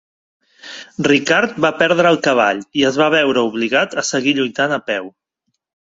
Ricard va perdre el cavall i es va veure obligat a seguir lluitant a peu.